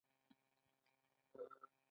دوی د طبابت لپاره بیلابیل وسایل جوړوي.